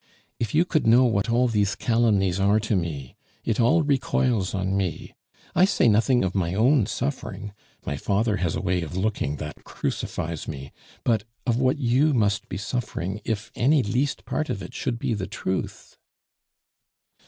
If you could know what all these calumnies are to me! It all recoils on me. I say nothing of my own suffering my father has a way of looking that crucifies me but of what you must be suffering if any least part of it should be the truth."